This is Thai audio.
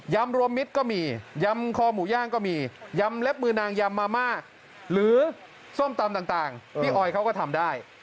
รวมมิตรก็มียำคอหมูย่างก็มียำเล็บมือนางยำมาม่าหรือส้มตำต่างพี่ออยเขาก็ทำได้